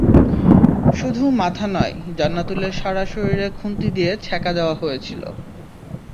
শুধু মাথা নয়, জান্নাতুলের সারা শরীরে খুন্তি দিয়ে ছ্যাঁকা দেওয়া হয়েছিল।